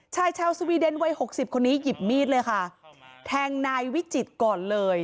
ชายชาวสวีเดนวัยหกสิบคนนี้หยิบมีดเลยค่ะแทงนายวิจิตรก่อนเลย